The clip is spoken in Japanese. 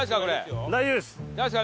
大丈夫ですか？